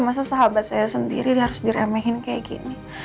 masa sahabat saya sendiri harus diremehin kayak gini